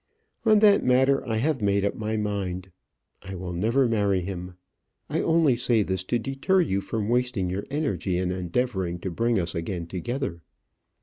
On that matter I have made up my mind. I will never marry him. I only say this to deter you from wasting your energy in endeavouring to bring us again together.